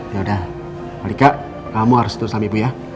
yaudah alika kamu harus terus sama ibu ya